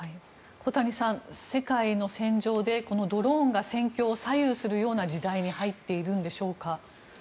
小谷さん、世界の戦場でドローンが戦況を左右するような時代に入っているんでしょうか。